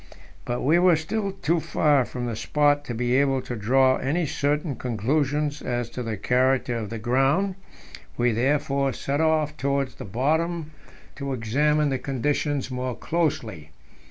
But we were still too far from the spot to be able to draw any certain conclusions as to the character of the ground; we therefore set off towards the bottom to examine the conditions more closely.